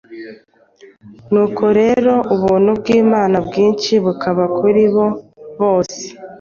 nuko rero ubuntu bw’Imana bwinshi bukaba kuri bo bose.